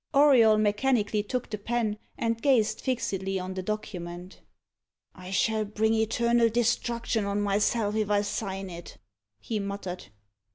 Auriol mechanically took the pen, and gazed fixedly on the document. "I shall bring eternal destruction on myself if I sign it," he muttered.